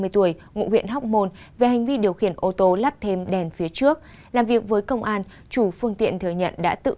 ba mươi tuổi ngụ huyện hóc môn về hành vi điều khiển ô tô lắp thêm đèn phía trước